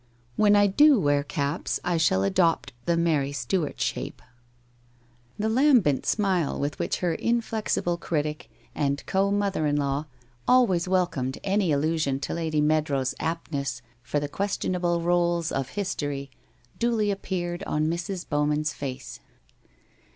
... When I do wear caps, I shall adopt the Mary Stuart shape/ ... The lambent smile with which her inflexible critic and co mother in law always welcomed any allusion to Lady Meadrow's aptness for the questionable roles of history duly appeared on Mrs. Bowman's face.